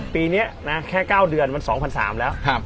ปีเนี้ยนะฮะแค่เก้าเดือนมันสองพันสามแล้วครับ